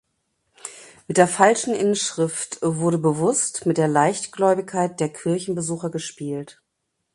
Mit der falschen Inschrift wurde bewusst mit der Leichtgläubigkeit der Kirchenbesucher gespielt.